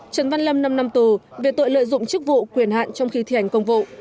trần văn lâm năm năm tù về tội lợi dụng chức vụ quyền hạn trong khi thi hành công vụ